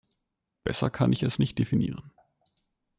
Besser kann ich es nicht definieren.